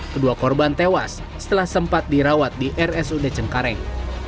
kedua korban tewas setelah sempat dirawat di rsud cengkareng